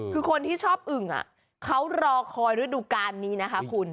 คือคนที่ชอบอึ่งเขารอคอยฤดูการนี้นะคะคุณ